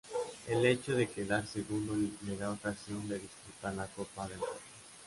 El hecho de quedar segundo le da ocasión de disputar la Copa del Rey.